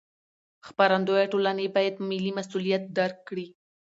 خپرندویه ټولنې باید ملي مسوولیت درک کړي.